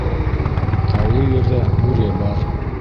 Таулы ерҙә бүре бар